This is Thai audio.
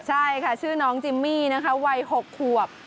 ใช่ค่ะชื่อน้องจิมมี่นะคะวัย๖ขวบ